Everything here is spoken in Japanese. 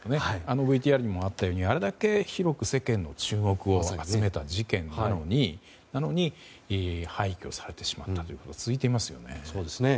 ＶＴＲにもあったようにあれだけ広く世間の注目を集めた事件でなのに廃棄をされてしまったということが続いていますよね。